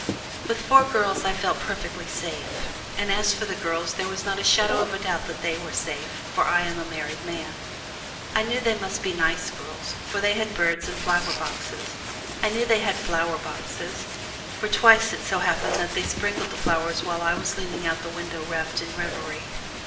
With four girls I felt perfectly safe, and as for the girls there was not a shadow of a doubt that they were safe, for I am a married man. I knew they must be nice girls, for they had birds and flower boxes. I knew they had flower boxes, for twice it so happened that they sprinkled the flowers while I was leaning out of the window wrapped in reverie.